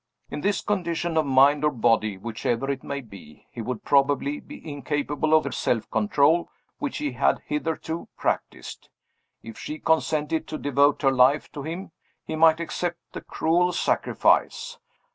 In this condition of mind or body, whichever it may be, he would probably be incapable of the self control which he had hitherto practiced. If she consented to devote her life to him, he might accept the cruel sacrifice.